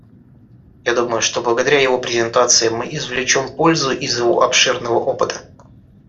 Я думаю, что благодаря его презентации мы извлечем пользу из его обширного опыта.